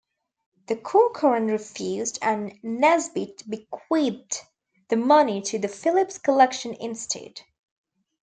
The Corcoran refused and Nesbitt bequeathed the money to the Phillips Collection instead.